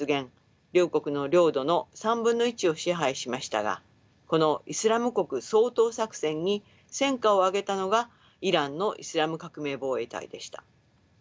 両国の領土の３分の１を支配しましたがこのイスラム国掃討作戦に戦果をあげたのがイランのイスラム革命防衛隊でした。